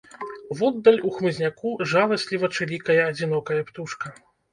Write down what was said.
Воддаль, у хмызняку, жаласліва чылікае адзінокая птушка.